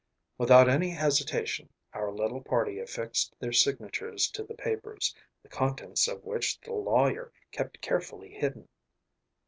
Without any hesitation, our little party affixed their signatures to the papers, the contents of which the lawyer kept carefully hidden.